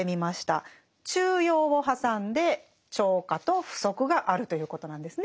中庸を挟んで超過と不足があるということなんですね